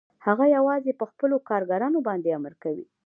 هغه یوازې په خپلو کارګرانو باندې امر کوي